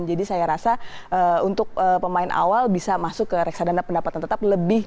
jadi saya rasa untuk pemain awal bisa masuk ke reksadana pendapatan tetap